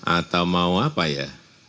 atau mau apa ya